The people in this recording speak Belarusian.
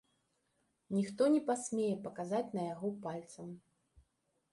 Ніхто не пасмее паказаць на яго пальцам.